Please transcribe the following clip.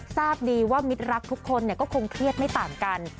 ทราบดีว่ามิตรรักทุกคนก็คงเครียดไม่ต่างกัน